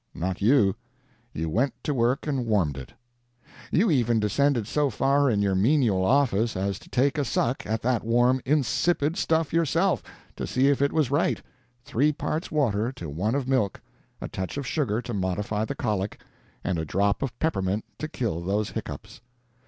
Not you. You went to work and warmed it. You even descended so far in your menial office as to take a suck at that warm, insipid stuff yourself, to see if it was right — three parts water to one of milk, a touch of sugar to modify the colic, and a drop of peppermint to kill those immortal hic coughs.